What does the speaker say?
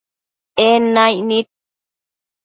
En naic nid